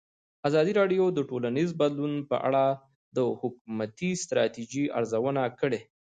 ازادي راډیو د ټولنیز بدلون په اړه د حکومتي ستراتیژۍ ارزونه کړې.